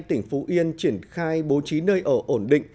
tỉnh phú yên triển khai bố trí nơi ở ổn định